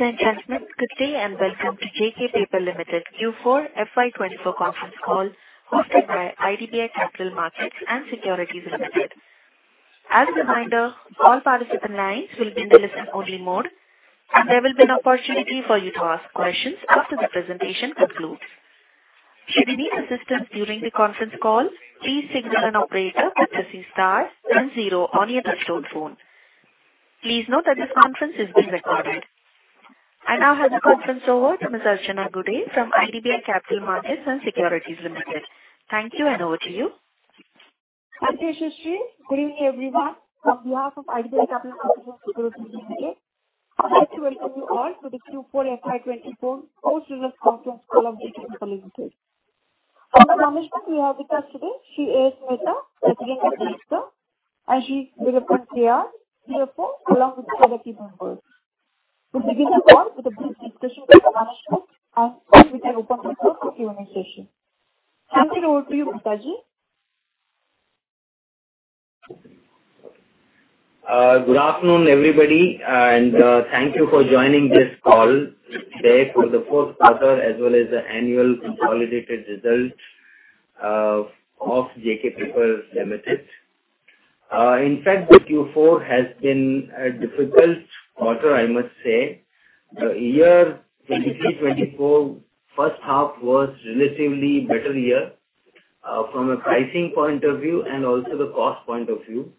Ladies and gentlemen, good day, and welcome to JK Paper Limited Q4 FY24 conference call, hosted by IDBI Capital Markets and Securities Limited. As a reminder, all participant lines will be in the listen only mode, and there will be an opportunity for you to ask questions after the presentation concludes. Should you need assistance during the conference call, please signal an operator by pressing star then zero on your touchtone phone. Please note that this conference is being recorded. I now hand the conference over to Ms. Archana Gude from IDBI Capital Markets and Securities Limited. Thank you, and over to you. Good evening, everyone. On behalf of IDBI Capital Markets & Securities Limited, I'd like to welcome you all to the Q4 FY 2024 post-results conference call of JK Paper Limited. From the management, we have with us today, Sri A.S. Mehta, President and Director, and Sri K.R. Veerappan, CFO, along with other key members. We begin the call with a brief discussion with management and with the opportunity for Q&A session. Thank you. Over to you, A.S Mehta. Good afternoon, everybody, and thank you for joining this call today for the first quarter, as well as the annual consolidated results of JK Paper Limited. In fact, the Q4 has been a difficult quarter, I must say. The year 2023-2024 first half was relatively better year from a pricing point of view and also the cost point of view.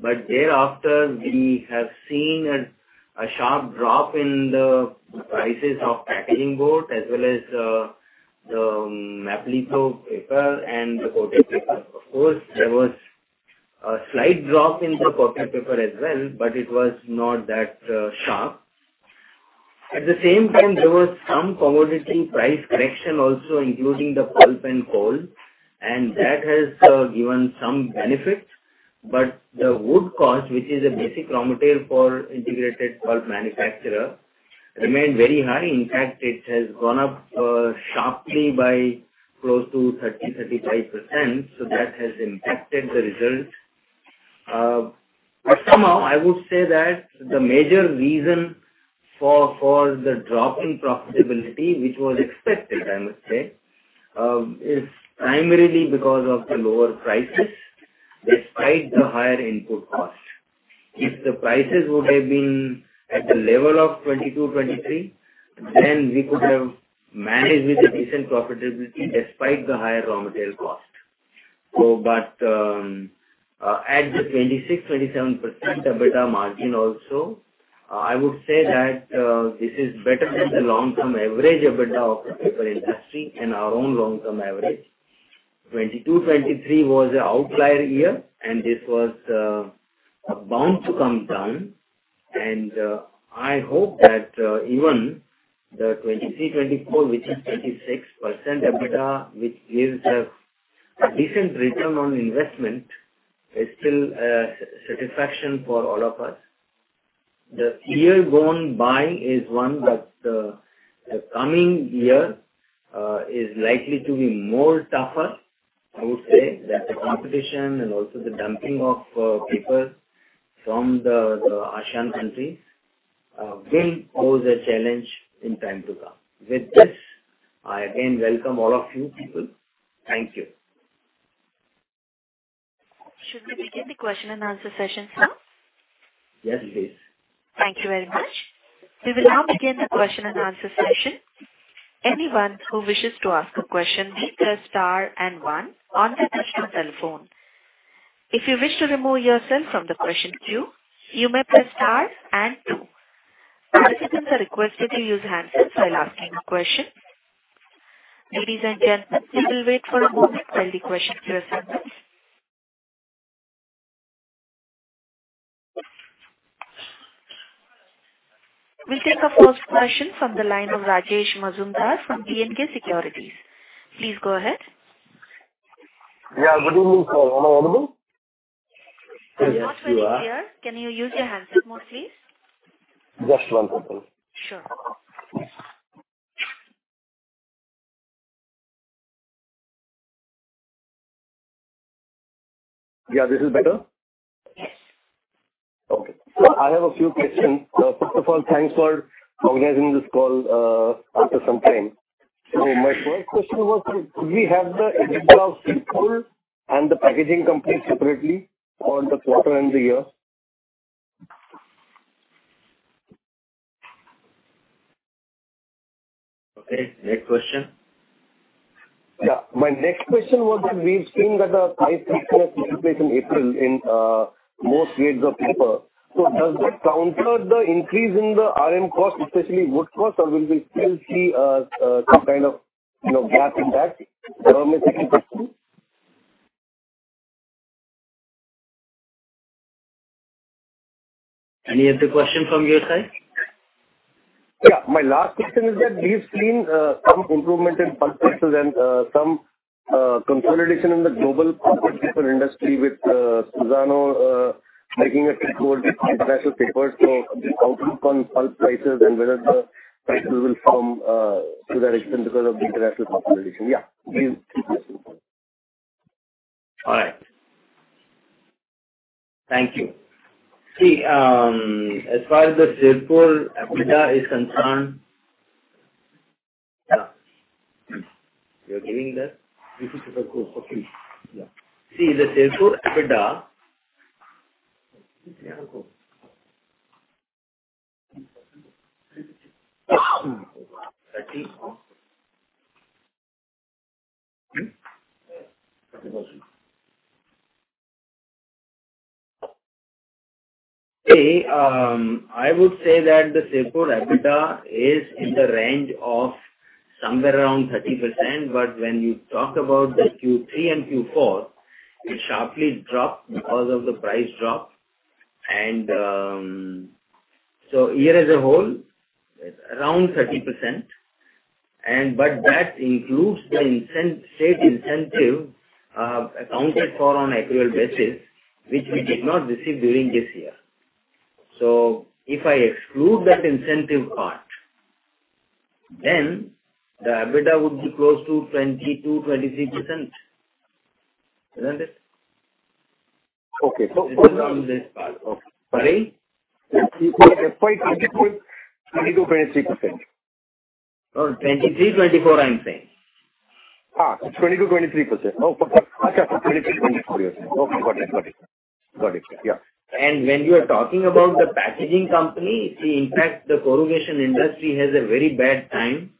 But thereafter, we have seen a sharp drop in the prices of packaging board, as well as the Maplitho paper and the coated paper. Of course, there was a slight drop in the coated paper as well, but it was not that sharp. At the same time, there was some commodity price correction also, including the pulp and coal, and that has given some benefit. But the wood cost, which is a basic raw material for integrated pulp manufacturer, remained very high. In fact, it has gone up sharply by close to 30-35%, so that has impacted the result. But somehow I would say that the major reason for the drop in profitability, which was expected, I must say, is primarily because of the lower prices despite the higher input cost. If the prices would have been at the level of 2022-2023, then we could have managed with a decent profitability despite the higher raw material cost. So but, at the 26-27% EBITDA margin also, I would say that this is better than the long-term average EBITDA of the paper industry and our own long-term average. 2022-2023 was an outlier year, and this was bound to come down. I hope that even the 2023-2024, which is 26% EBITDA, which gives a decent return on investment, is still satisfaction for all of us. The year gone by is one, but the coming year is likely to be more tougher. I would say that the competition and also the dumping of paper from the Asian country will pose a challenge in time to come. With this, I again welcome all of you people. Thank you. Should we begin the question and answer session, sir? Yes, please. Thank you very much. We will now begin the question and answer session. Anyone who wishes to ask a question, hit the star and one on their touchtone telephone. If you wish to remove yourself from the question queue, you may press star and two. Participants are requested to use handsets while asking a question. Ladies and gentlemen, we will wait for a moment while the questions are presented. We take our first question from the line of Rajesh Majumdar from B&K Securities. Please go ahead. Yeah. Good evening, sir. Am I audible? I'm not very clear. Can you use your handset mode, please? Just one second. Sure. Yeah, this is better? Yes. Okay. So I have a few questions. First of all, thanks for organizing this call, after some time. So my first question was, do we have the EBITDA of Sirpur and the packaging company separately for the quarter and the year? Okay, next question. Yeah, my next question was that we've seen that the price increase took place in April in most grades of paper. So does that counter the increase in the RM cost, especially wood cost, or will we still see some kind of, you know, gap in that? That was my second question. Any other question from your side? Yeah. My last question is that we've seen some improvement in pulp prices and some consolidation in the global pulp paper industry with Suzano making a shift towards the International Paper. So outlook on pulp prices and whether the prices will come to that extent because of the international consolidation. Yeah, please. All right.... Thank you. See, as far as the Sirpur EBITDA is concerned, yeah. You're giving the? Okay. Yeah. See, the Sirpur EBITDA. Hey, I would say that the Sirpur EBITDA is in the range of somewhere around 30%, but when you talk about the Q3 and Q4, it sharply dropped because of the price drop. And, so year as a whole, around 30%, and but that includes the incentive state incentive, accounted for on accrual basis, which we did not receive during this year. So if I exclude that incentive part, then the EBITDA would be close to 22%-23%. Isn't it? Okay. So- Okay. Sorry. 22.20%-23%. Oh, 2023, 2024, I'm saying. Ah, 22%, 23%. Oh, okay. 23%, 24%. Okay, got it. Got it. Got it. Yeah. When you are talking about the packaging company, see, in fact, the corrugation industry has a very bad time,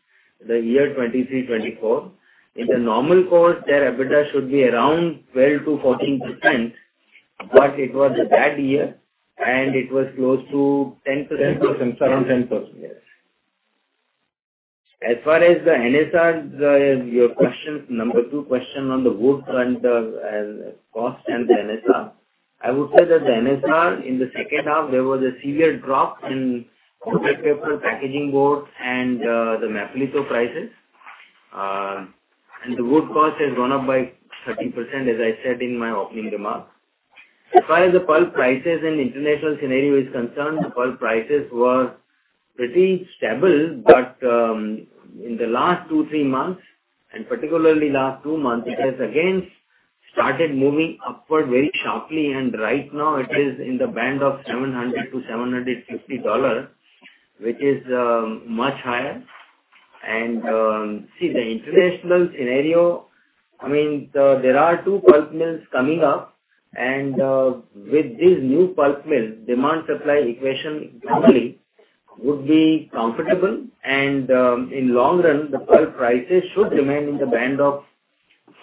the year 2023-2024. In the normal course, their EBITDA should be around 12%-14%, but it was a bad year and it was close to 10%. Around 10%. Yes. As far as the NSR, your question, number two question on the wood and cost and the NSR. I would say that the NSR in the second half, there was a severe drop in paper packaging board and the Maplitho prices. And the wood cost has gone up by 13%, as I said in my opening remarks. As far as the pulp prices and international scenario is concerned, the pulp prices were pretty stable, but in the last 2-3 months, and particularly last two months, it has again started moving upward very sharply, and right now it is in the band of $700-$750, which is much higher. See, the international scenario, I mean, there are two pulp mills coming up, and with these new pulp mills, demand-supply equation normally would be comfortable and, in long run, the pulp prices should remain in the band of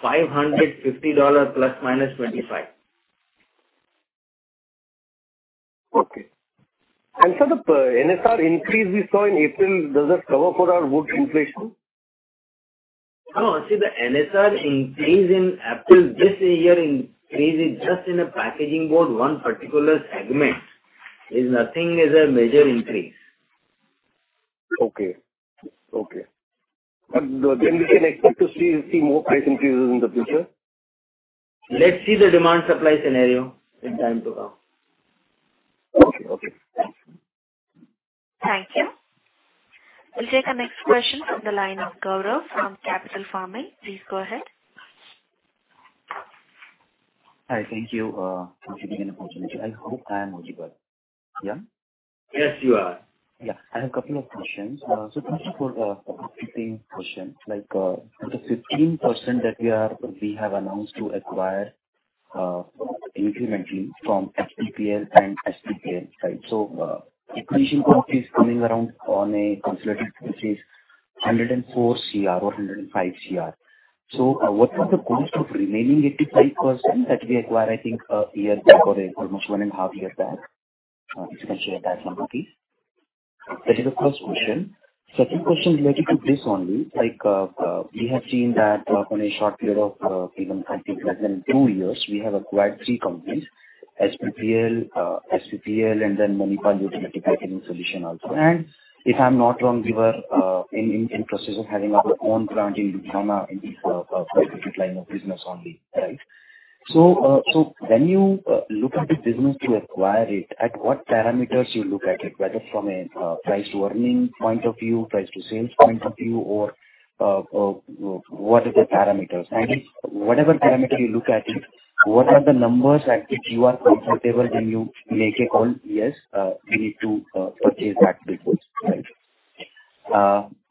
$550, ±$25. Okay. So the NSR increase we saw in April, does that cover for our wood inflation? No. See, the NSR increase in April this year, increase is just in a Packaging Board, one particular segment, is nothing as a major increase. Okay. Okay. But then we can expect to see more price increases in the future? Let's see the demand supply scenario in time to come. Okay. Okay. Thanks. Thank you. We'll take the next question from the line of Gaurav from Capital Farming. Please go ahead. Hi. Thank you, for giving an opportunity. I hope I am audible. Yeah? Yes, you are. Yeah. I have a couple of questions. So first of all, first question, like, the 15% that we are- we have announced to acquire, incrementally from HPPL and SPPL, right? So, acquisition cost is coming around, on a consolidated basis, 104 crore or 105 crore. So, what was the cost of remaining 85% that we acquired, I think, a year back or almost 1.5 years back? If you can share that number, please. That is the first question. Second question related to this only, like, we have seen that on a short period of, even less than two years, we have acquired three companies, HPPL, SPPL, and then Manipal Utility Packaging Solutions also. And if I'm not wrong, we were in process of having our own plant in Ludhiana, in the line of business only, right? So, when you look at the business to acquire it, at what parameters you look at it, whether from a price to earning point of view, price to sales point of view, or what are the parameters? And if whatever parameter you look at it, what are the numbers at which you are comfortable when you make a call, "Yes, we need to purchase that business," right?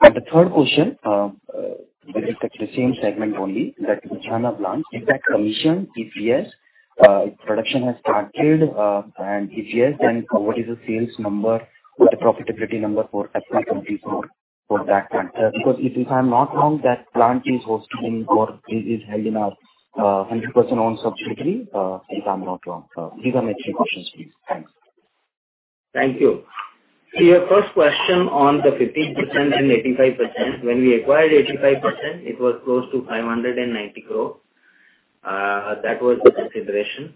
And the third question, with the same segment only, that Ludhiana plant, is that commissioned, if yes, production has started, and if yes, then what is the sales number or the profitability number for fiscal 2024 for that plant? Because if I'm not wrong, that plant is hosted in or is held in a 100% owned subsidiary, if I'm not wrong. These are my three questions, please. Thanks. Thank you. So your first question on the 15% and 85%. When we acquired 85%, it was close to 590 crore. That was the consideration.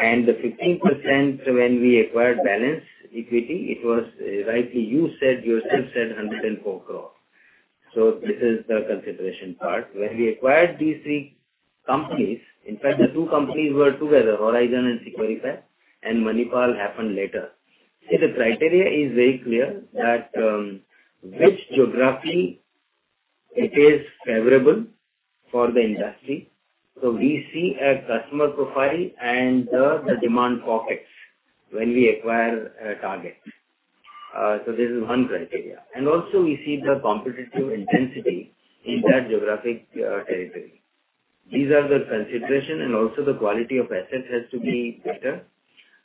And the 15%, when we acquired balance equity, it was rightly, you said yourself, said 104 crore. So this is the consideration part. When we acquired these three companies, in fact, the two companies were together, Horizon and Securipax, and Manipal happened later. So the criteria is very clear, that, which geography it is favorable for the industry. So we see a customer profile and the demand pockets when we acquire a target. So this is one criteria. And also we see the competitive intensity in that geographic territory. These are the consideration, and also the quality of assets has to be better,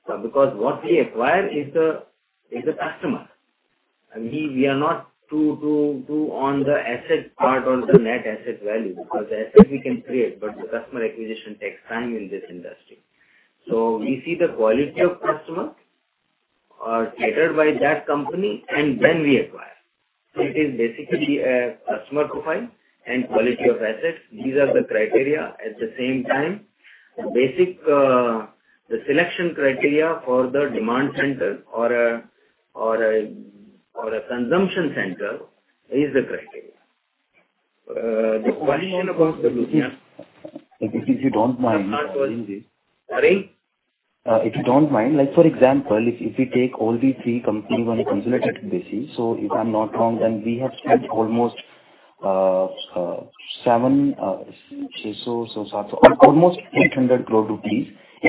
because what we acquire is the customer. And we are not to on the asset part or the net asset value, because the asset we can create, but the customer acquisition takes time in this industry. So we see the quality of customer catered by that company, and then we acquire. So it is basically a customer profile and quality of assets. These are the criteria. At the same time, basic the selection criteria for the demand center or a consumption center is the criteria. The question about the- If you don't mind- Sorry? If you don't mind, like, for example, if we take all the three companies on a consolidated basis, so if I'm not wrong, then we have spent almost 800 crore in acquiring all these three companies. So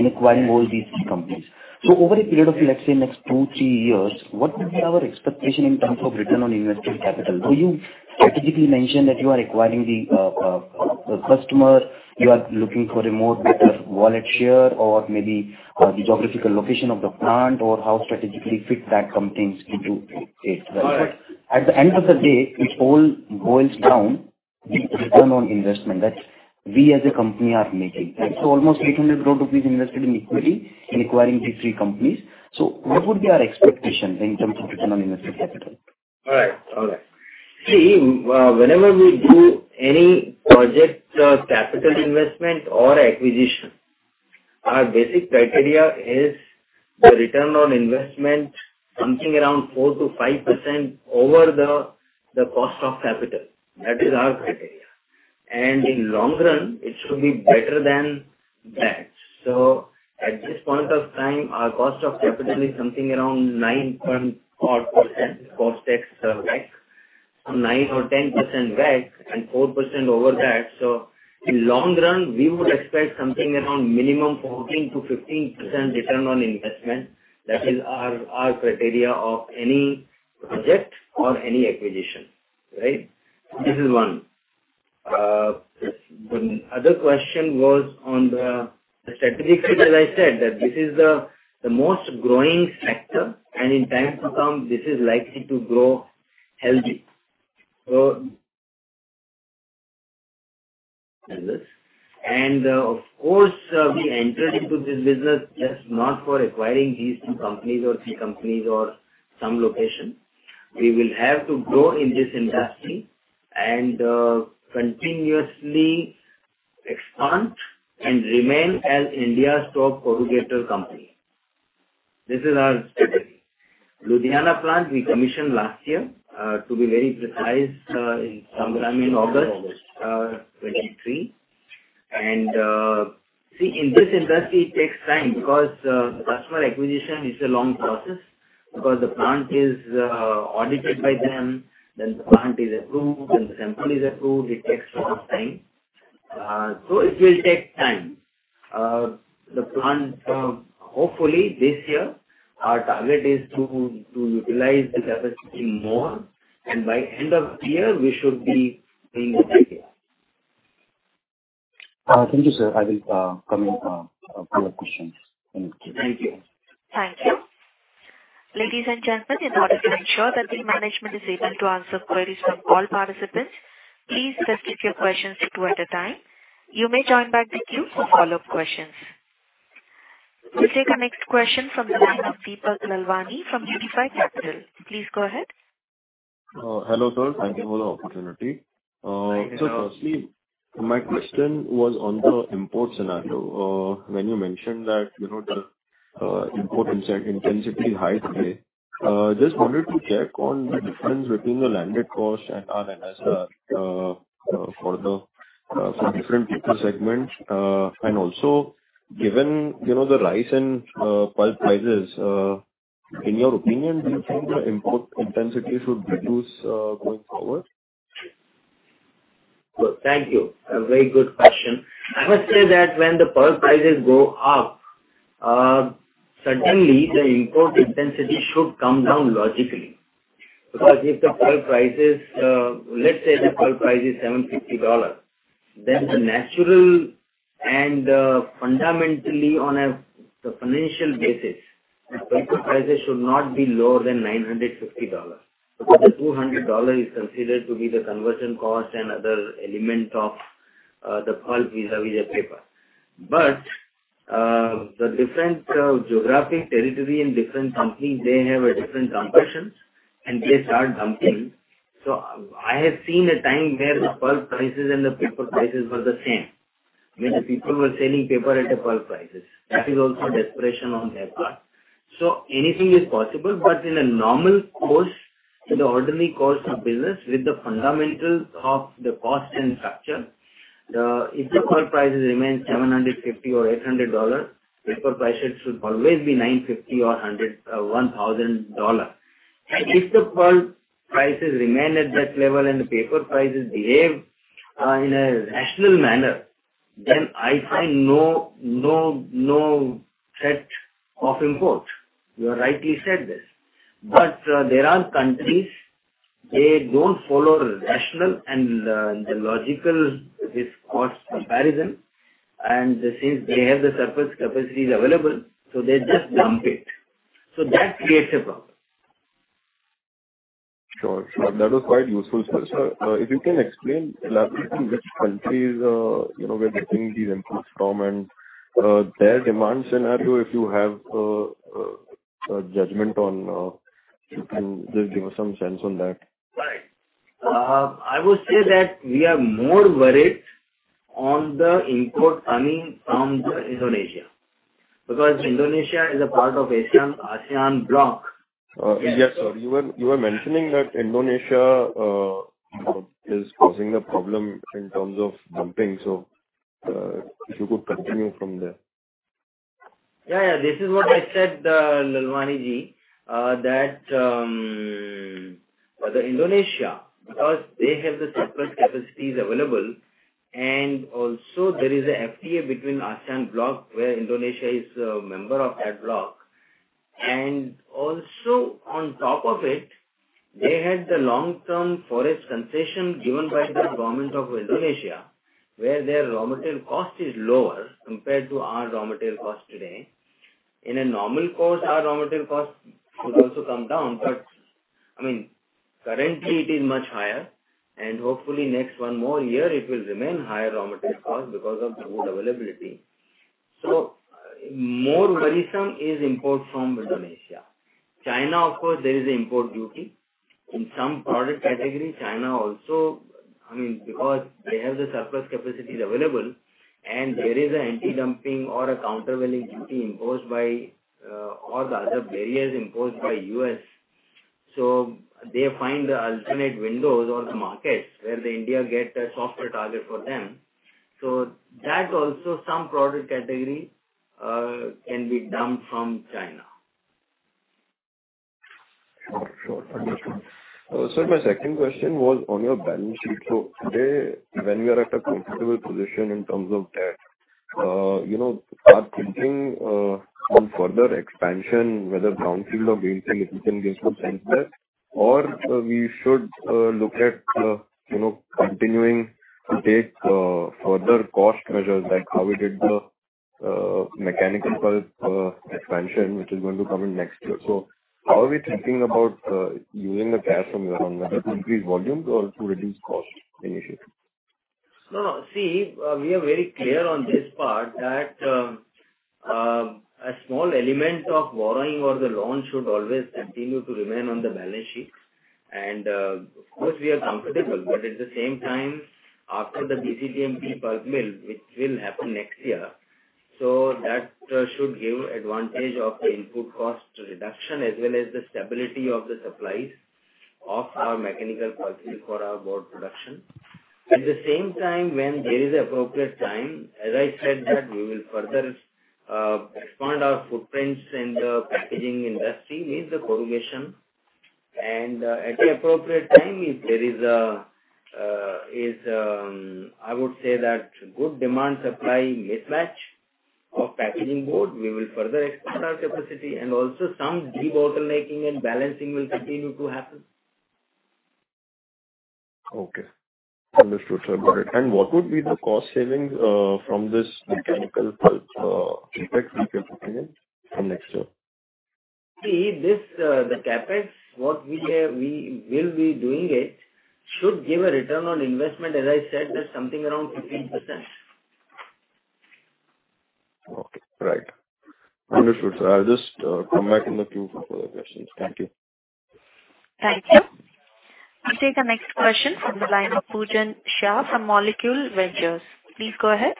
over a period of, let's say, next 2-3 years, what would be our expectation in terms of return on invested capital? Though you strategically mentioned that you are acquiring the customer, you are looking for a more better wallet share or maybe the geographical location of the plant or how strategically fit that companies into it. All right. At the end of the day, it all boils down to return on investment that we as a company are making. So almost 800 crore rupees invested in equity in acquiring these three companies. So what would be our expectations in terms of return on invested capital? All right. All right. See, whenever we do any project, capital investment or acquisition, our basic criteria is the return on investment, something around 4%-5% over the cost of capital. That is our criteria. In long run, it should be better than that. So at this point of time, our cost of capital is something around 9-point-odd %, post-tax, WACC, so 9%-10% WACC and 4% over that. So in long run, we would expect something around minimum 14%-15% return on investment. That is our criteria of any project or any acquisition. Right? This is one. The other question was on the strategic side, as I said, that this is the most growing sector, and in time to come, this is likely to grow healthy. So... Of course, we entered into this business just not for acquiring these two companies or three companies or some location. We will have to grow in this industry and continuously expand and remain as India's top corrugator company. This is our strategy. Ludhiana plant, we commissioned last year, to be very precise, in some time in August 2023. See, in this industry, it takes time because the customer acquisition is a long process, because the plant is audited by them, then the plant is approved, then the sample is approved. It takes a lot of time. So it will take time. The plant, hopefully this year, our target is to utilize the capacity more, and by end of the year, we should be in the idea. Thank you, sir. I will come in a few more questions. Thank you. Thank you. Thank you. Ladies and gentlemen, in order to ensure that the management is able to answer queries from all participants, please restrict your questions to two at a time. You may join back the queue for follow-up questions. We take our next question from the line of Deepak Lalwani from Unifi Capital. Please go ahead. Hello, sir. Thank you for the opportunity. Hi. So firstly, my question was on the import scenario. When you mentioned that, you know, the import intensity is high today. Just wanted to check on the difference between the landed cost and RMS for different paper segments. And also, given, you know, the rise in pulp prices, in your opinion, do you think the import intensity should reduce going forward? Thank you. A very good question. I must say that when the pulp prices go up, suddenly the import intensity should come down logically. Because if the pulp price is, let's say the pulp price is $750, then the natural and, fundamentally, on a, the financial basis, the paper prices should not be lower than $950. Because the $200 is considered to be the conversion cost and other element of, the pulp vis-à-vis the paper. But, the different, geographic territory and different companies, they have a different competitions, and they start dumping. So I have seen a time where the pulp prices and the paper prices were the same, when the people were selling paper at the pulp prices. That is also desperation on their part. So anything is possible, but in a normal course, in the ordinary course of business, with the fundamentals of the cost and structure, if the pulp prices remain $750 or $800, paper prices should always be $950 or $1,000. And if the pulp prices remain at that level and the paper prices behave in a rational manner, then I find no, no, no threat of import. You rightly said this. But there are countries, they don't follow rational and the logical risk cost comparison, and since they have the surplus capacities available, so they just dump it. So that creates a problem. Sure, sure. That was quite useful, sir. Sir, if you can explain largely from which countries, you know, we're getting these imports from and their demand scenario, if you have a judgment on, you can just give us some sense on that. Right. I would say that we are more worried on the import coming from Indonesia, because Indonesia is a part of Asian ASEAN bloc. Yes, sir. You were mentioning that Indonesia is causing the problem in terms of dumping, so if you could continue from there. Yeah, yeah. This is what I said, Lalwani is that, the Indonesia, because they have the surplus capacities available, and also there is a FTA between ASEAN bloc, where Indonesia is a member of that bloc. And also on top of it, they had the long-term forest concession given by the government of Indonesia, where their raw material cost is lower compared to our raw material cost today. In a normal course, our raw material cost would also come down, but I mean, currently it is much higher, and hopefully next one more year it will remain higher raw material cost because of the wood availability. So more worrisome is import from Indonesia. China, of course, there is an import duty. In some product category, China also, I mean, because they have the surplus capacities available, and there is an anti-dumping or a countervailing duty imposed by, all the other barriers imposed by U.S. So they find the alternate windows or the markets where the India get a softer target for them. So that also some product category, can be dumped from China. Sure, sure. Understood. Sir, my second question was on your balance sheet. So today, when we are at a comfortable position in terms of debt, you know, are thinking on further expansion, whether brownfield or greenfield, if you can give some sense there, or we should look at, you know, continuing to take further cost measures like how we did the mechanical pulp expansion, which is going to come in next year. So how are we thinking about using the cash from your increase volumes or to reduce cost initiative? No, no. See, we are very clear on this part that a small element of borrowing or the loan should always continue to remain on the balance sheets. And, of course, we are comfortable, but at the same time, after the BCTMP mill, which will happen next year, so that should give advantage of the input cost reduction as well as the stability of the supplies of our mechanical pulp for our board production. At the same time, when there is appropriate time, as I said, that we will further expand our footprints in the packaging industry, means the corrugation. And, at the appropriate time, if there is a, I would say that good demand-supply mismatch of packaging board, we will further expand our capacity and also some debottlenecking and balancing will continue to happen. Okay. Understood, sir. Got it. And what would be the cost savings from this mechanical pulp CapEx you are talking in from next year? See, this, the CapEx what we are, we will be doing it, should give a return on investment, as I said, that something around 15%. Okay. Right. Understood, sir. I'll just come back in the queue for further questions. Thank you. Thank you. I'll take the next question from the line of Pujen Shah from Molecule Ventures. Please go ahead.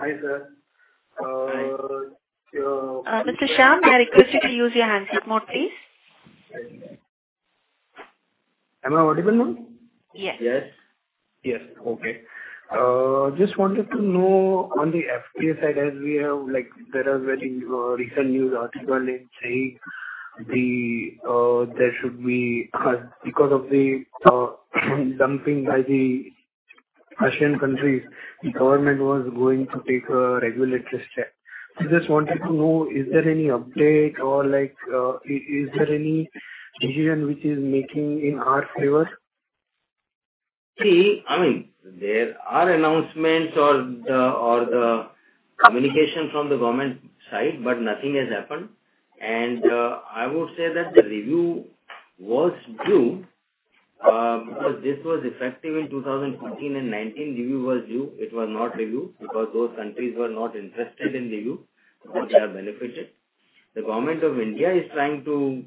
Hi, sir. Mr. Shah, may I request you to use your handset mode, please? Am I audible now? Yes. Yes. Yes. Okay. Just wanted to know on the FTA side, as we have, like, there are very recent news article saying the there should be because of the dumping by the Asian countries, the government was going to take a regulatory step. I just wanted to know, is there any update or like, is there any decision which is making in our favor? See, I mean, there are announcements or the communication from the government side, but nothing has happened. I would say that the review was due, because this was effective in 2015 and 2019 review was due. It was not reviewed because those countries were not interested in review, because they are benefited. The government of India is trying to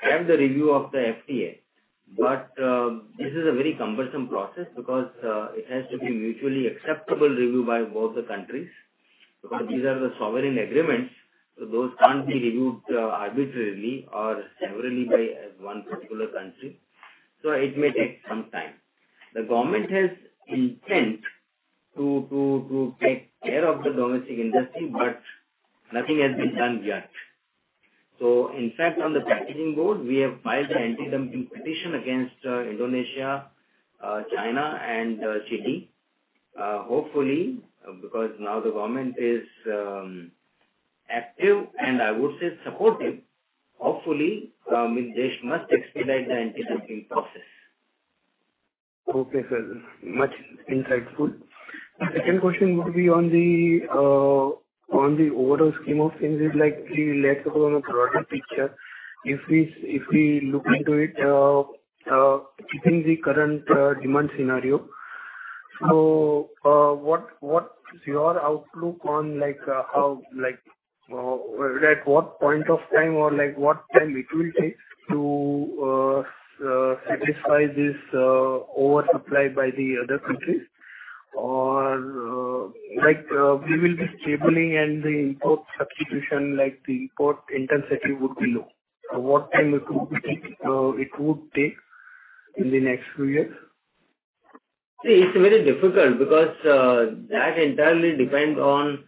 have the review of the FTA, but this is a very cumbersome process because it has to be mutually acceptable review by both the countries, because these are the sovereign agreements, so those can't be reviewed arbitrarily or severally by one particular country, so it may take some time. The government has intent to take care of the domestic industry, but nothing has been done yet. In fact, on the packaging board, we have filed an anti-dumping petition against Indonesia, China, and Chile. Hopefully, because now the government is active and I would say supportive, hopefully, they must expedite the anti-dumping process. Okay, sir, much insightful. The second question would be on the, on the overall scheme of things, it's like we let go on a broader picture. If we, if we look into it, keeping the current, demand scenario, so, what, what's your outlook on like, how like... at what point of time or like what time it will take to, satisfy this, oversupply by the other countries? Or, like, we will be stable and the import substitution, like the import intensity, would be low. So what time it would take, it would take in the next few years? See, it's very difficult because, that entirely depends on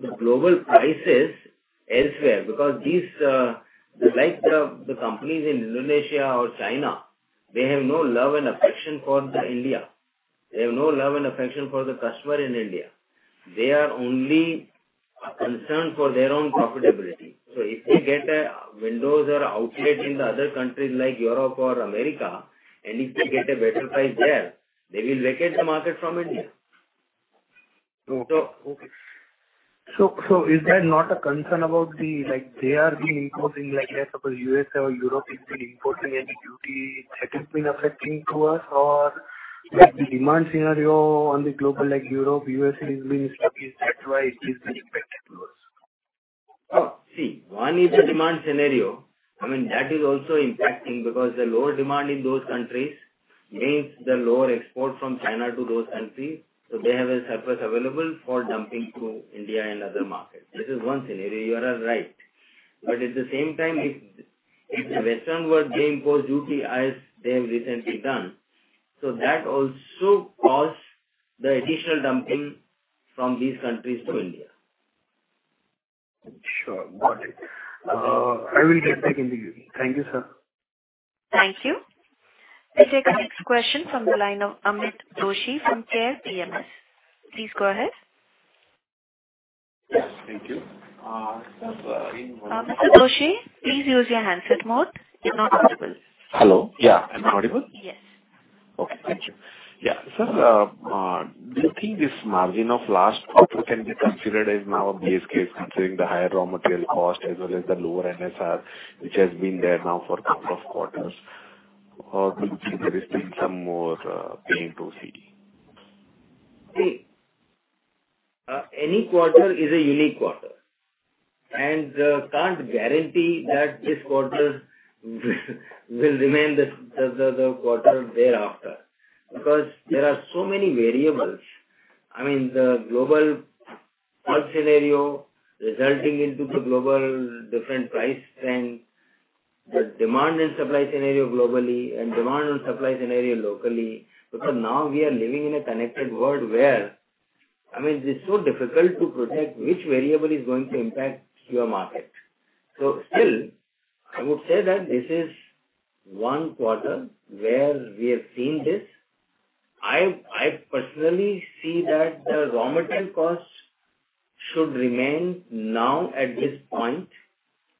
the global prices elsewhere. Because these, like the companies in Indonesia or China, they have no love and affection for the India. They have no love and affection for the customer in India. They are only concerned for their own profitability. So if they get a windows or outlet in the other countries, like Europe or America, and if they get a better price there, they will vacate the market from India. So- Okay. So, so is that not a concern about the, like, they are being importing, like, let's suppose U.S. or Europe is been importing any duty that has been affecting to us or like the demand scenario on the global like Europe, U.S. is being stuck, that's why it is being affected to us? Oh, see, one is the demand scenario. I mean, that is also impacting because the lower demand in those countries means the lower export from China to those countries, so they have a surplus available for dumping to India and other markets. This is one scenario, you are right. But at the same time, if, if the Western world, they impose duty as they have recently done, so that also cause the additional dumping from these countries to India. Sure. Got it. I will get back to you. Thank you, sir. Thank you. We'll take our next question from the line of Amit Doshi from Care PMS. Please go ahead. Yes, thank you. Sir- Mr. Doshi, please use your handset mode. You're not audible. Hello. Yeah, I'm audible? Yes. Okay. Thank you. Yeah. Sir, do you think this margin of last quarter can be considered as now a base case, considering the higher raw material cost as well as the lower NSR, which has been there now for couple of quarters? Or do you think there is been some more, pain to see? See, any quarter is a unique quarter, and can't guarantee that this quarter will remain the quarter thereafter, because there are so many variables. I mean, the global pulp scenario resulting into the global different price trend, the demand and supply scenario globally, and demand and supply scenario locally. Because now we are living in a connected world where, I mean, it's so difficult to predict which variable is going to impact your market. So still, I would say that this is one quarter where we have seen this. I personally see that the raw material costs should remain now at this point.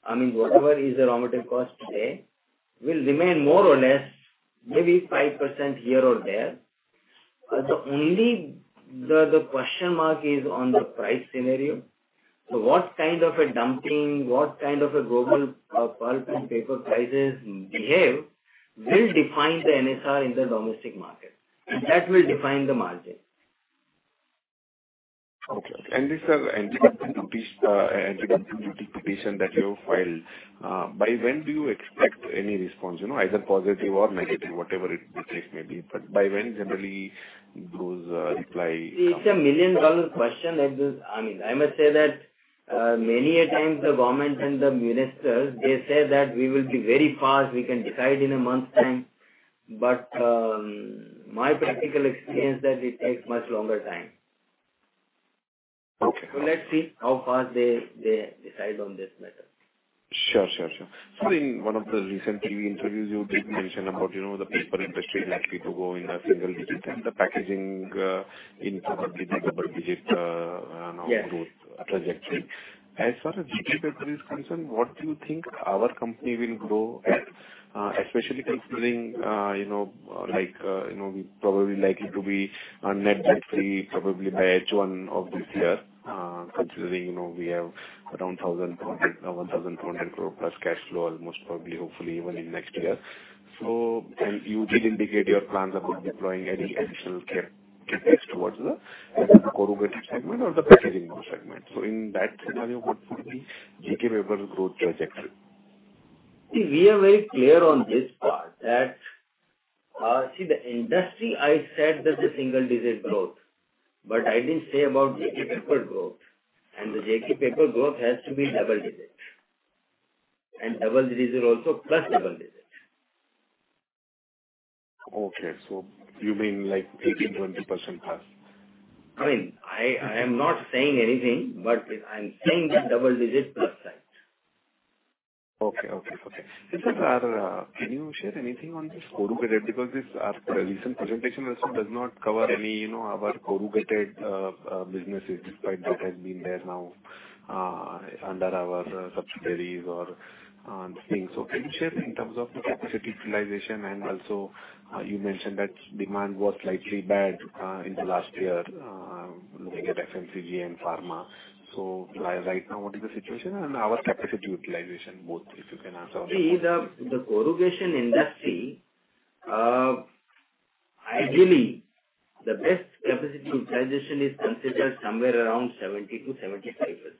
I mean, whatever is the raw material cost today, will remain more or less maybe 5% here or there. The only question mark is on the price scenario. So what kind of a dumping, what kind of a global, pulp and paper prices behave, will define the NSR in the domestic market, and that will define the margin. Okay. And this anti-dumping duty petition that you filed, by when do you expect any response? You know, either positive or negative, whatever it takes may be, but by when generally those reply come? It's a million-dollar question. I mean, I must say that many a times the government and the ministers, they say that we will be very fast, we can decide in a month's time, but my practical experience that it takes much longer time. Okay. Let's see how fast they decide on this matter. Sure, sure, sure. So in one of the recent TV interviews, you did mention about, you know, the paper industry likely to go in a single digit and the packaging, in double digit, now- Yes -growth trajectory. As far as JK Paper is concerned, what do you think our company will grow, especially considering, you know, like, you know, we probably likely to be net debt free probably by H1 of this year, considering, you know, we have around 1,100 crore plus cash flow almost probably, hopefully even in next year. And you did indicate your plans about deploying any additional CapEx towards the corrugated segment or the packaging segment. So in that scenario, what would be JK Paper's growth trajectory?... See, we are very clear on this part that, see, the industry, I said that the single digit growth, but I didn't say about JK Paper growth, and the JK Paper growth has to be double digit, and double digit is also plus double digit. Okay. So you mean like 18%-20% plus? I mean, I, I am not saying anything, but I'm saying that double digit plus side. Okay, okay, okay. Is there are, can you share anything on this corrugated? Because this, our recent presentation also does not cover any, you know, about corrugated, businesses, despite that has been there now, under our subsidiaries or, things. So can you share in terms of the capacity utilization, and also, you mentioned that demand was slightly bad, in the last year, looking at FMCG and pharma. So right, right now, what is the situation and our capacity utilization, both, if you can answer? See, the corrugation industry, ideally, the best capacity utilization is considered somewhere around 70%-75%.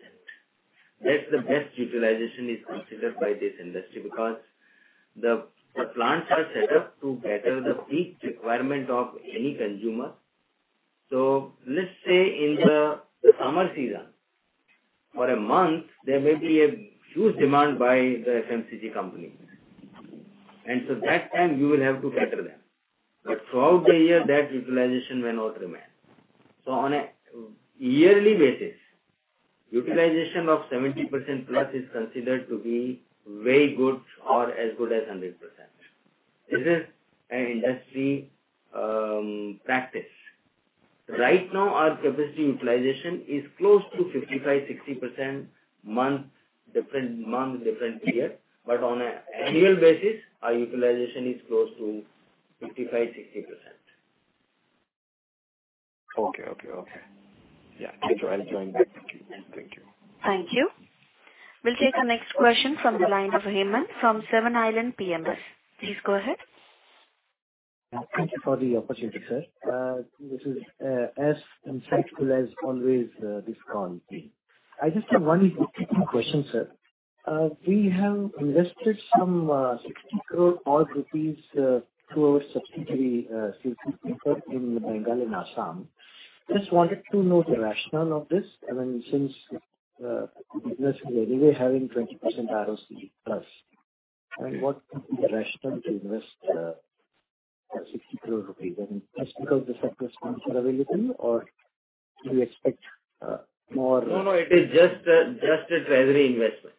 That's the best utilization is considered by this industry because the plants are set up to better the peak requirement of any consumer. So let's say in the summer season, for a month, there may be a huge demand by the FMCG company, and so that time you will have to cater them. But throughout the year, that utilization may not remain. So on a yearly basis, utilization of 70%+ is considered to be very good or as good as 100%. This is an industry practice. Right now, our capacity utilization is close to 55%-60% month, different month, different year, but on an annual basis, our utilization is close to 55%-60%. Okay, okay, okay. Yeah. Thank you. I'll join that. Thank you. Thank you. We'll take the next question from the line of Hemant from Seven Islands PMS. Please go ahead. Thank you for the opportunity, sir. This is as insightful as always, this call. I just have one question, sir. We have invested some 60 crore rupees odd through our subsidiary Sirpur Paper in Bengal, in Assam. Just wanted to know the rationale of this. I mean, since business is anyway having 20% ROC plus, I mean, what is the rationale to invest 60 crore rupees? I mean, just because the surplus funds are available, or do you expect more- No, no, it is just a, just a treasury investment.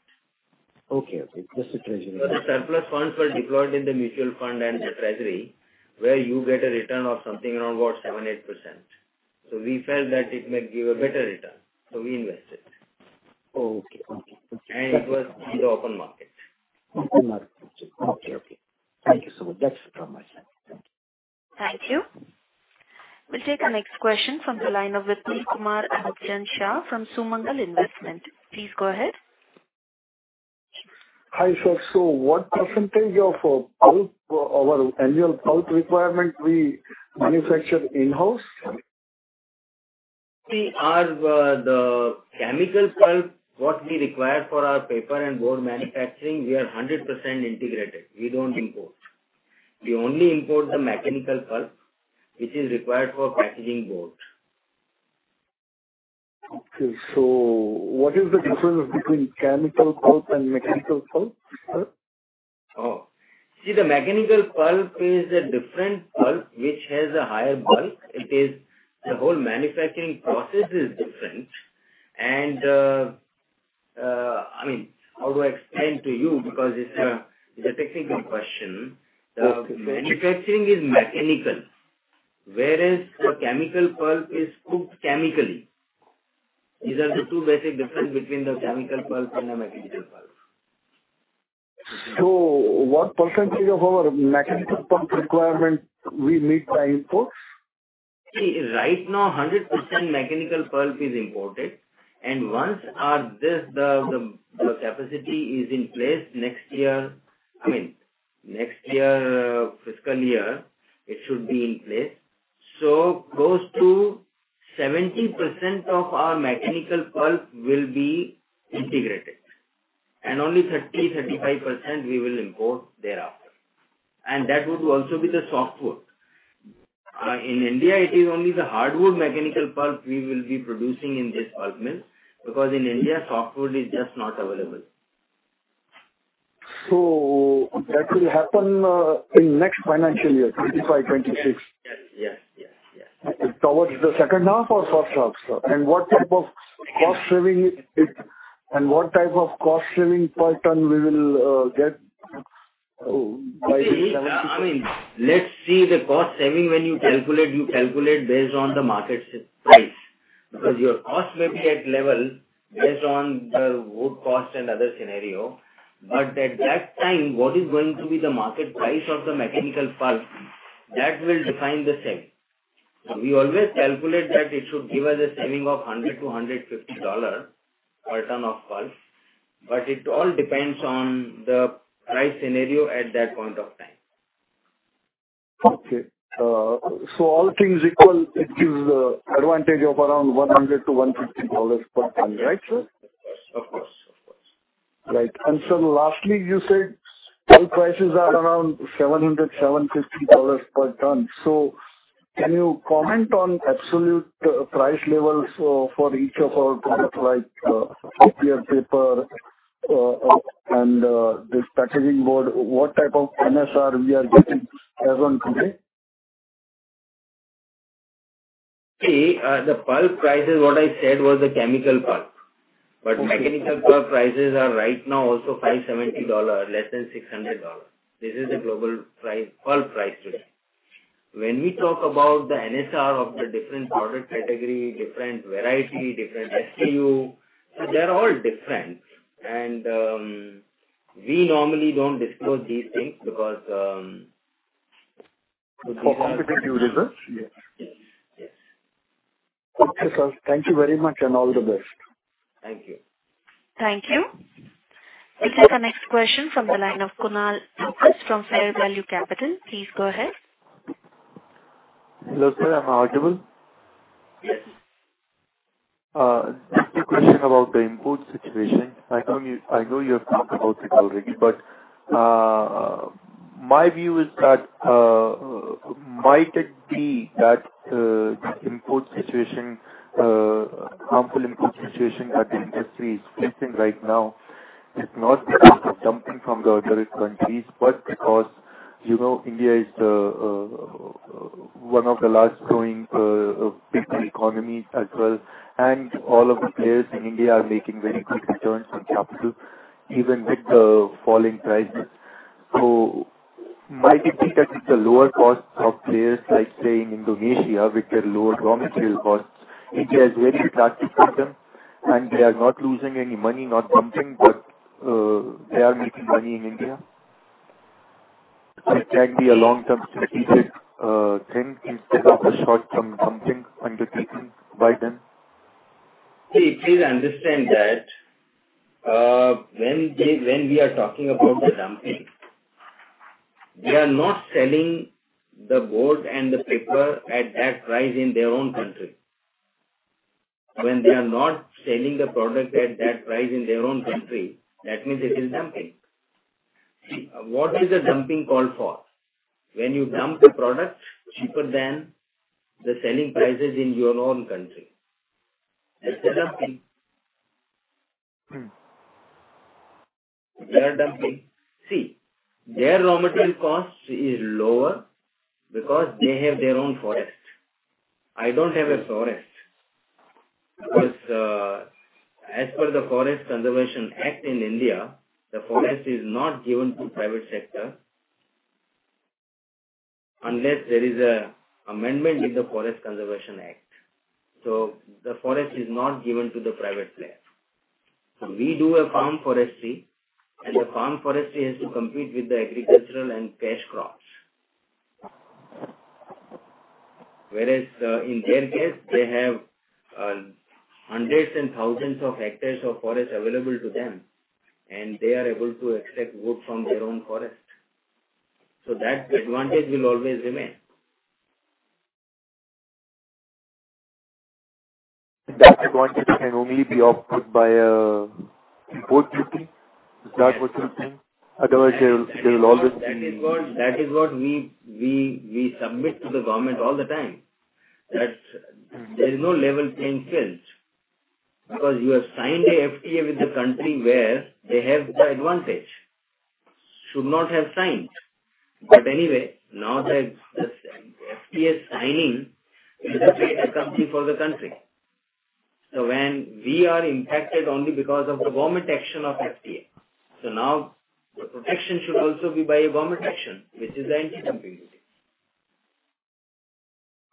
Okay, okay. Just a treasury. So the surplus funds were deployed in the mutual fund and the treasury, where you get a return of something around about 7%-8%. So we felt that it may give a better return, so we invested. Oh, okay. Okay. It was in the open market. Open market. Okay, okay. Thank you so much. That's it from my side. Thank you. Thank you. We'll take the next question from the line of Vipul Kumar Shah from Sumangal Investment. Please go ahead. Hi, sir. So what percentage of our annual pulp requirement we manufacture in-house? We are the chemical pulp, what we require for our paper and board manufacturing, we are 100% integrated. We don't import. We only import the mechanical pulp, which is required for packaging board. Okay. So what is the difference between Chemical Pulp and Mechanical Pulp, sir? Oh, see, the Mechanical Pulp is a different pulp, which has a higher bulk. It is... The whole manufacturing process is different. I mean, how do I explain to you? Because it's a technical question. Okay. The manufacturing is mechanical, whereas the chemical pulp is cooked chemically. These are the two basic differences between the chemical pulp and the mechanical pulp. What percentage of our mechanical pulp requirement we meet by imports? See, right now, 100% mechanical pulp is imported, and once this the capacity is in place next year, I mean, next year, fiscal year, it should be in place. So close to 70% of our mechanical pulp will be integrated, and only 30%-35% we will import thereafter. And that would also be the softwood. In India, it is only the hardwood mechanical pulp we will be producing in this pulp mill, because in India, softwood is just not available. So that will happen in next financial year, 25%, 26%? Yes, yes, yes, yes. Towards the second half or first half, sir? And what type of cost saving it... And what type of cost saving per ton we will, get? Oh, by the- I mean, let's see the cost saving. When you calculate, you calculate based on the market price, because your cost may be at level based on the wood cost and other scenario, but at that time, what is going to be the market price of the mechanical pulp, that will define the saving. We always calculate that it should give us a saving of $100-$150 per ton of pulp, but it all depends on the price scenario at that point of time.... Okay. So all things equal, it gives the advantage of around $100-$150 per ton, right, sir? Of course, of course. Right. And so lastly, you said pulp prices are around $700-$750 per ton. So can you comment on absolute price levels for each of our products, like coated paper and this packaging board? What type of NSR we are getting as on today? See, the pulp prices, what I said was the chemical pulp. Okay. Mechanical pulp prices are right now also $570, less than $600. This is the global price, pulp price today. When we talk about the NSR of the different product category, different variety, different SKU, they're all different. We normally don't disclose these things because, For competitive reasons? Yes. Yes, yes. Okay, sir. Thank you very much, and all the best. Thank you. Thank you. This is the next question from the line of Kunal Tokas from Fair Value Capital. Please go ahead. Hello, sir. Am I audible? Yes. Just a question about the import situation. I know you, I know you have talked about it already, but, my view is that, might it be that, the import situation, harmful import situation that the industry is facing right now is not because of dumping from the other countries, but because, you know, India is the, one of the largest growing, paper economies as well, and all of the players in India are making very good returns on capital, even with the falling prices. So might it be that it's a lower cost of players like, say, in Indonesia, with their lower raw material costs? India is very attractive to them, and they are not losing any money, not dumping, but, they are making money in India. It can be a long-term strategic thing instead of a short-term dumping undertaking by them. Please understand that, when they, when we are talking about the dumping, they are not selling the board and the paper at that price in their own country. When they are not selling the product at that price in their own country, that means it is dumping. What is a dumping called for? When you dump the product cheaper than the selling prices in your own country. That's dumping. Mm. They are dumping. See, their raw material cost is lower because they have their own forest. I don't have a forest. Because, as per the Forest Conservation Act in India, the forest is not given to private sector unless there is a amendment in the Forest Conservation Act. So the forest is not given to the private player. So we do a Farm Forestry, and the Farm Forestry has to compete with the agricultural and cash crops. Whereas, in their case, they have, hundreds and thousands of hectares of forest available to them, and they are able to extract wood from their own forest. So that advantage will always remain. That advantage can only be offset by import duty. Yes. Is that what you're saying? Otherwise, there will always be- That is what we submit to the government all the time, that there is no level playing fields. Because you have signed a FTA with the country where they have the advantage. Should not have signed. But anyway, now that the FTA signing is a treaty country for the country. So when we are impacted only because of the government action of FTA, so now the protection should also be by a government action, which is the anti-dumping.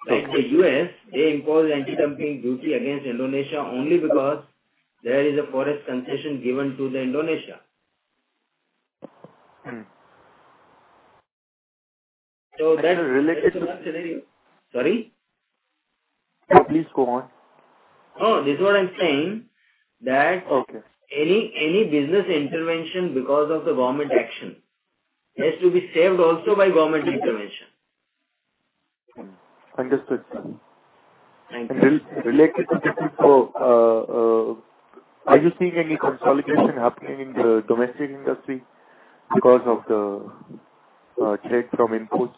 Like the U.S., they impose anti-dumping duty against Indonesia only because there is a forest concession given to Indonesia. Mm. So that- Related to that scenario. Sorry? Please go on. Oh, this is what I'm saying, that- Okay. Any business intervention because of the government action has to be saved also by government intervention. Mm. Understood. Thank you. Related to this, are you seeing any consolidation happening in the domestic industry because of the threat from imports?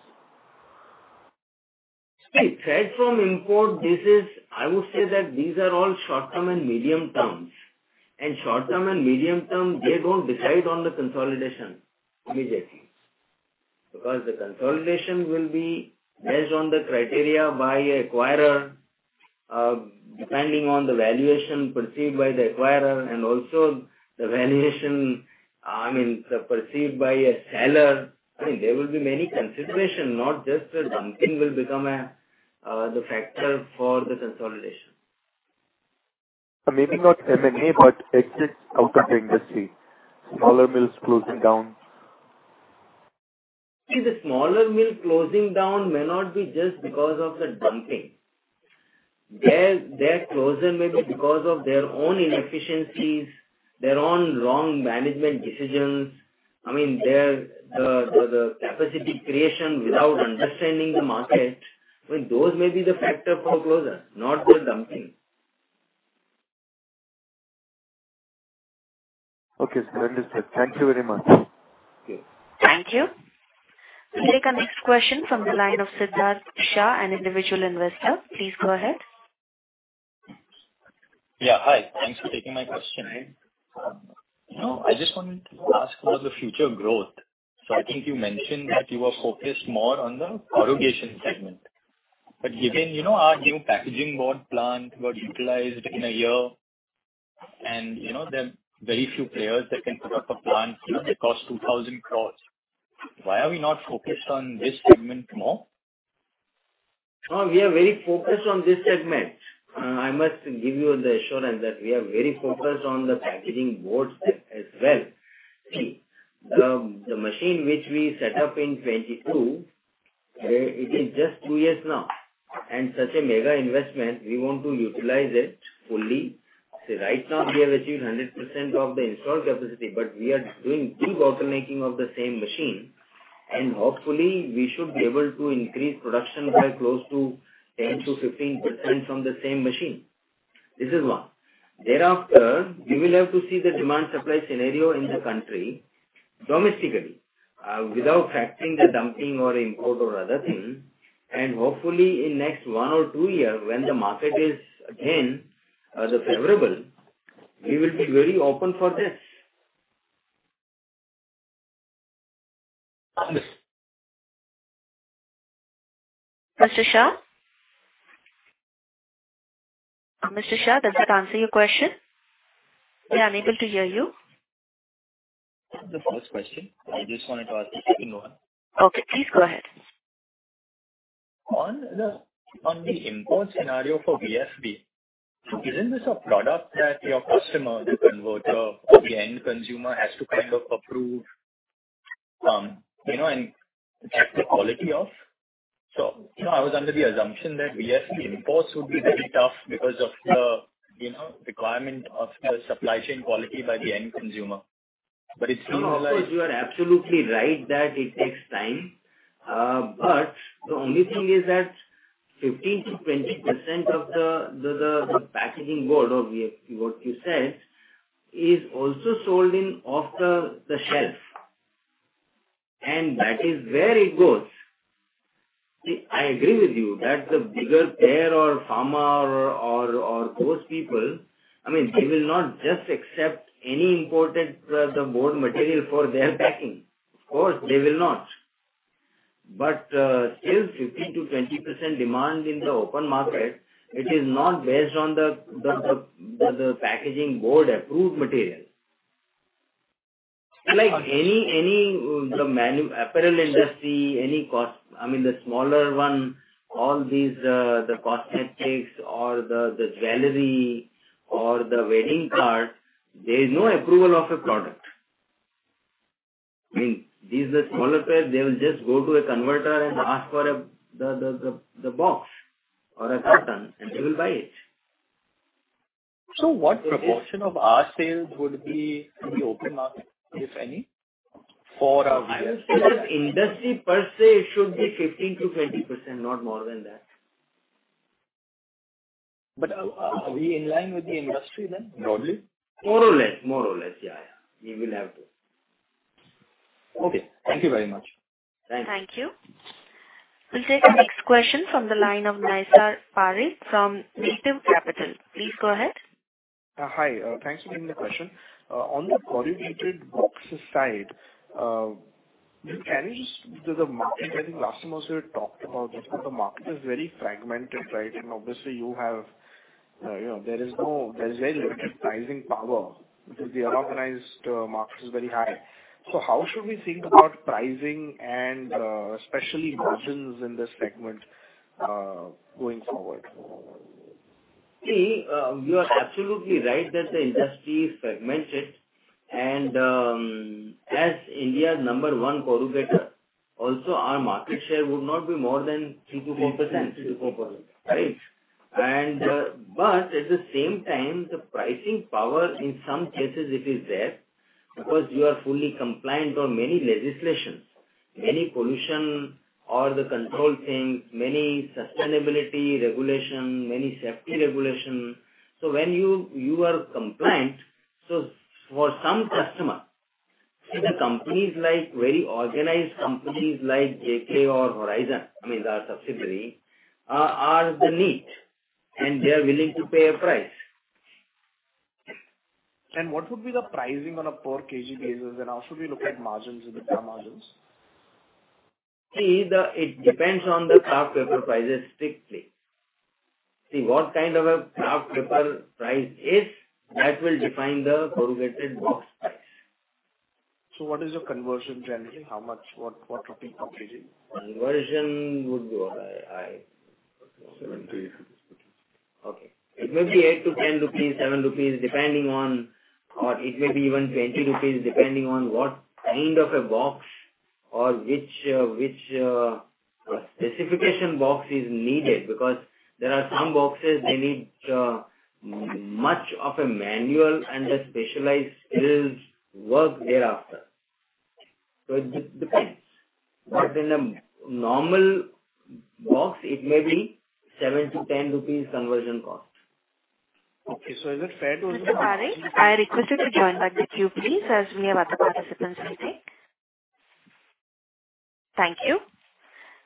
See, threat from import, this is... I would say that these are all short-term and medium-terms. Short-term and medium-term, they don't decide on the consolidation immediately. Because the consolidation will be based on the criteria by acquirer, depending on the valuation perceived by the acquirer and also the valuation, I mean, perceived by a seller. I mean, there will be many consideration, not just the dumping will become a, the factor for the consolidation. Maybe not M&A, but exits out of the industry, smaller mills closing down. See, the smaller mill closing down may not be just because of the dumping. Their closure may be because of their own inefficiencies, their own wrong management decisions. I mean, their capacity creation without understanding the market, I mean, those may be the factor for closure, not the dumping. Okay, sir, understood. Thank you very much. Okay. Thank you. We'll take our next question from the line of Siddharth Shah, an individual investor. Please go ahead. Yeah, hi. Thanks for taking my question. You know, I just wanted to ask about the future growth. So I think you mentioned that you are focused more on the corrugation segment, but given, you know, our new packaging board plant got utilized in a year, and, you know, there are very few players that can put up a plant, you know, that costs 2,000 crore. Why are we not focused on this segment more? No, we are very focused on this segment. I must give you the assurance that we are very focused on the packaging boards as well. See, the, the machine which we set up in 2022, it is just two years now, and such a mega investment, we want to utilize it fully. So right now we have achieved 100% of the installed capacity, but we are doing deep automation of the same machine, and hopefully, we should be able to increase production by close to 10%-15% on the same machine. This is one. Thereafter, we will have to see the demand-supply scenario in the country domestically, without factoring the dumping or import or other things. And hopefully, in next one or two years, when the market is again, the favorable, we will be very open for this. Mr. Shah? Mr. Shah, does that answer your question? We are unable to hear you. The first question, I just wanted to ask you one. Okay, please go ahead. On the import scenario for FBB, isn't this a product that your customer, the converter or the end consumer, has to kind of approve, you know, and check the quality of? So, you know, I was under the assumption that FBB imports would be very tough because of the, you know, requirement of the supply chain quality by the end consumer. But it seems like- No, of course, you are absolutely right that it takes time. But the only thing is that 15%-20% of the packaging board of FBB, what you said, is also sold off-the-shelf, and that is where it goes. See, I agree with you that the bigger player or pharma or those people, I mean, they will not just accept any imported board material for their packing. Of course, they will not. But still 50%-20% demand in the open market, it is not based on the packaging board approved material. Like any apparel industry, any cost. I mean, the smaller one, all these, the cosmetics or the jewelry or the wedding card, there is no approval of a product. I mean, these are the smaller players, they will just go to a converter and ask for a box or a carton, and they will buy it. What proportion of our sales would be in the open market, if any, for our FBB? I would say that industry per se should be 15%-20%, not more than that. But are we in line with the industry then, broadly? More or less. More or less, yeah, yeah. We will have to. Okay. Thank you very much. Thank you. Thank you. We'll take our next question from the line of Naysar Parikh from Native Capital. Please go ahead. Hi. Thanks for taking the question. On the corrugated boxes side, can you just... Because the market, I think last time also you talked about this, that the market is very fragmented, right? And obviously, you have, you know, there's very limited pricing power because the unorganized market is very high. So how should we think about pricing and, especially margins in this segment, going forward? See, you are absolutely right that the industry is fragmented, and, as India's number one corrugator, also our market share would not be more than 3%-4%. 3%-4%. Right. But at the same time, the pricing power, in some cases it is there, because you are fully compliant on many legislations, many pollution or the control things, many sustainability regulation, many safety regulation. So when you are compliant, so for some customer, see the companies like very organized companies like JK or Horizon, I mean, our subsidiary, are the need, and they are willing to pay a price. What would be the pricing on a per KG basis, and how should we look at margins and the raw margins? See, it depends on the Kraft paper prices strictly. See, what kind of a Kraft paper price is, that will define the corrugated box price. What is your conversion generally? How much? What, what rupee approximately? Conversion would be around high 70. Okay. It may be 8-10 rupees, 7 rupees, depending on. Or it may be even 20 rupees, depending on what kind of a box or which specification box is needed, because there are some boxes they need much manual and specialized skills work thereafter. So it depends. But in a normal box, it may be 7- 10 rupees conversion cost. Okay, so is it fed or- Mr. Parekh, I request you to join back the queue, please, as we have other participants waiting. Thank you.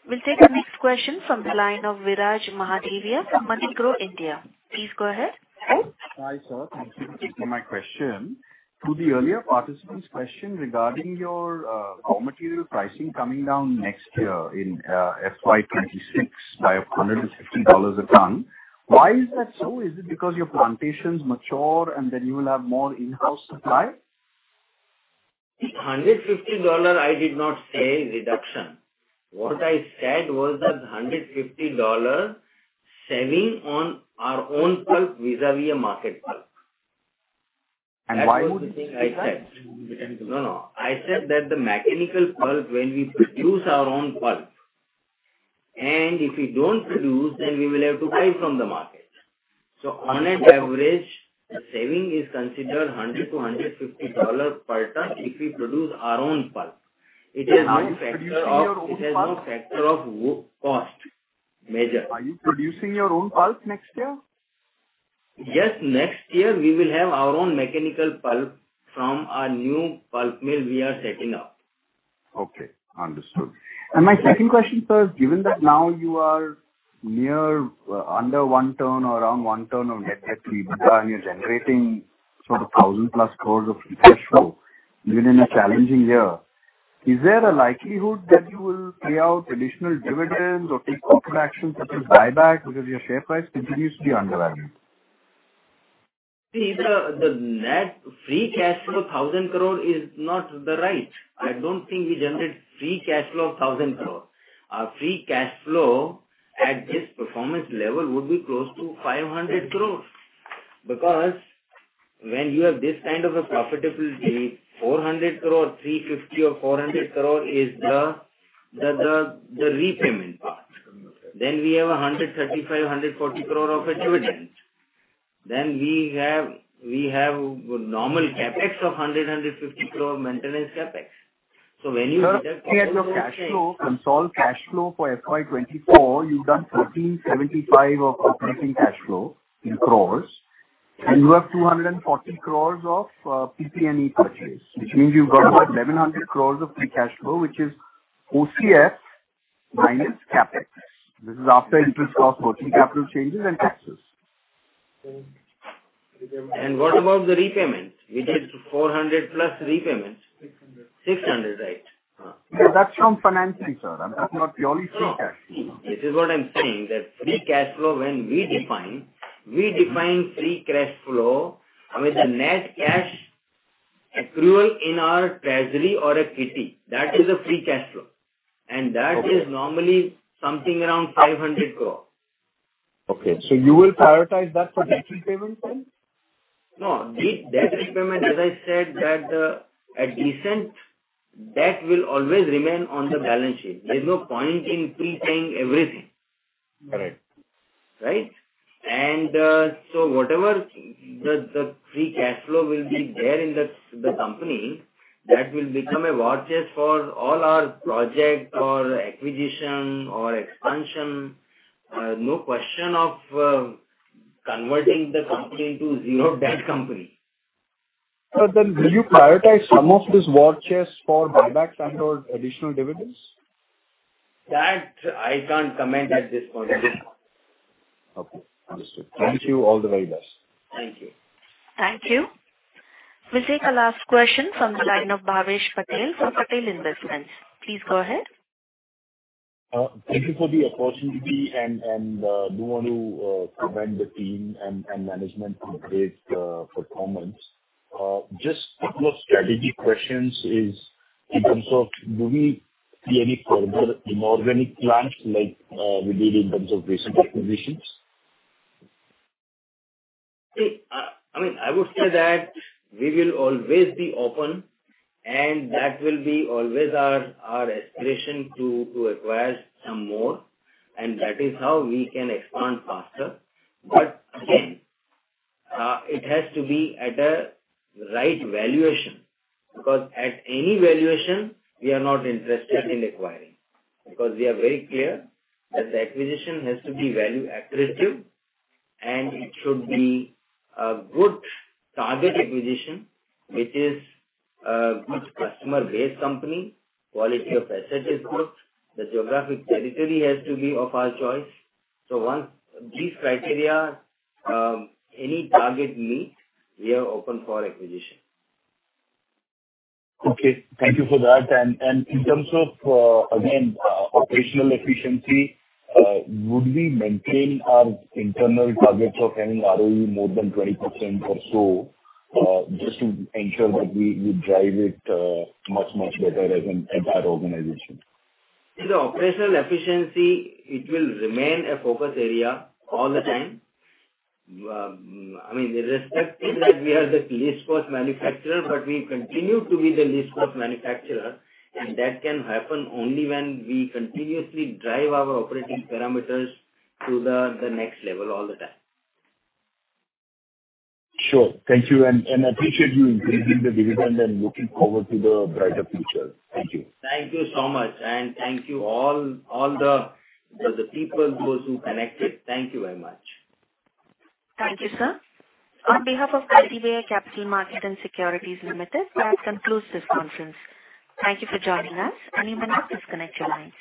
We'll take the next question from the line of Viraj Mahadevia from Moneygrow India. Please go ahead. Hi, sir. Thank you for my question. To the earlier participant's question regarding your, raw material pricing coming down next year in, FY 2026 by $150 a ton. Why is that so? Is it because your plantations mature and then you will have more in-house supply? $150, I did not say reduction. What I said was that $150 saving on our own pulp vis-à-vis a market pulp. And why would- That was the thing I said. No, no. I said that the mechanical pulp, when we produce our own pulp, and if we don't produce, then we will have to buy from the market. So on an average, the saving is considered $100-$150 per ton if we produce our own pulp. It has no factor of- Are you producing your own pulp? It has no factor of wood cost, major. Are you producing your own pulp next year? Yes, next year, we will have our own mechanical pulp from a new pulp mill we are setting up. Okay, understood. And my second question, sir, is given that now you are near under 1x or around 1x of net debt to EBITDA, and you're generating sort of 1,000+ crores of free cash flow within a challenging year, is there a likelihood that you will pay out additional dividends or take corporate action, such as buyback, because your share price continues to be undervalued? See, the net free cash flow thousand crore is not right. I don't think we generate free cash flow of 1,000 crore. Our free cash flow at this performance level would be close to 500 crore. Because when you have this kind of a profitability, 400 crore, or 350 or 400 crore is the repayment part. Then we have 135- 140 crore of dividends. Then we have a normal CapEx of 100- 150 crore maintenance CapEx. So when you look at- Sir, your cash flow, consolidated cash flow for FY 2024, you've done 1,375 crores of operating cash flow, and you have 240 crores of PPE purchase, which means you've got about 1,100 crores of free cash flow, which is OCF minus CapEx. This is after interest costs, working capital changes, and taxes. What about the repayments? We did 400+ repayments. 600, right. No, that's from financing, sir. That's not the only free cash. This is what I'm saying, that free cash flow, when we define, we define free cash flow with the net cash accrual in our treasury or a PT, that is a free cash flow. Okay. That is normally something around 500 crore. Okay. You will prioritize that for debt repayments then? No. The debt repayment, as I said, that, a decent debt will always remain on the balance sheet. There's no point in prepaying everything. Correct. Right? And so whatever the free cash flow will be there in the company, that will become a war chest for all our project or acquisition or expansion. No question of converting the company into zero debt company. But then will you prioritize some of this war chest for buybacks and/or additional dividends? That I can't comment at this point in time. Okay, understood. Thank you. Thank you. All the very best. Thank you. Thank you. We'll take a last question from the line of Bhavesh Patel from Patel Investments. Please go ahead. Thank you for the opportunity and, and, do want to, commend the team and, and management for the great performance. Just a few strategic questions is in terms of do we see any further inorganic plans, like, we did in terms of recent acquisitions? I mean, I would say that we will always be open, and that will be always our aspiration to acquire some more, and that is how we can expand faster. But again, it has to be at a right valuation, because at any valuation, we are not interested in acquiring. Because we are very clear that the acquisition has to be value accretive, and it should be a good target acquisition, which is a good customer base company, quality of asset is good, the geographic territory has to be of our choice. So once these criteria, any target meet, we are open for acquisition. Okay, thank you for that. And, and in terms of, again, operational efficiency, would we maintain our internal targets of having ROE more than 20% or so, just to ensure that we, we drive it, much, much better as an entire organization? The operational efficiency, it will remain a focus area all the time. I mean, the aspect is that we are the least cost manufacturer, but we continue to be the least cost manufacturer, and that can happen only when we continuously drive our operating parameters to the next level all the time. Sure. Thank you, and I appreciate you increasing the dividend and looking forward to the brighter future. Thank you. Thank you so much, and thank you all, all the people, those who connected. Thank you very much. Thank you, sir. On behalf of IDBI Capital Markets and Securities Limited, that concludes this conference. Thank you for joining us, and you may now disconnect your lines.